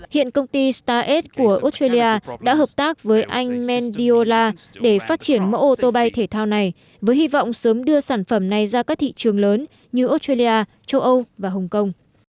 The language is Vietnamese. hiện công ty stared của australia đã hợp tác với anh mendiola để phát triển mẫu ô tô bay thể thao này với hy vọng sớm đưa sản phẩm này ra các thị trường lớn như australia châu âu và hồng kông